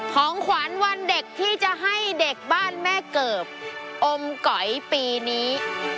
ของขวัญวันเด็กที่จะให้เด็กบ้านแม่เกิบอมก๋อยปีนี้